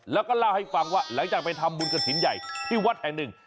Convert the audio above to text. แล้วก็เล่าให้ฟังว่าหลังจากไปทำบุญกระถิ่นใหญ่ที่วัดแห่งหนึ่ง